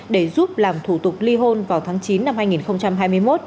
để giúp làm thủ tục ly hôn vào tháng chín năm hai nghìn hai mươi một